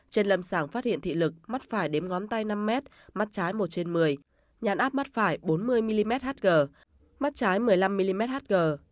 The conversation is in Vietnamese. trên lầm sảng phát hiện thị lực mắt phải đếm ngón tay năm mét mắt trái một trên một mươi nhãn áp mắt phải bốn mươi mmhg mắt trái một mươi năm mmhg